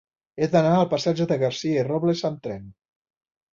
He d'anar al passatge de Garcia i Robles amb tren.